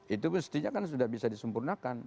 itu mestinya kan sudah bisa disempurnakan